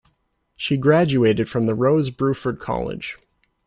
She graduated from the Rose Bruford College.